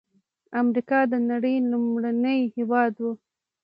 امریکا د نړۍ لومړنی هېواد و.